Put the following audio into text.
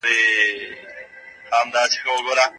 مور د ماشوم د جامو مناسبوالی ګوري.